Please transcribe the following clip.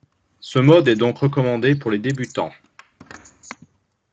Ce mode est donc recommandé pour les débutants.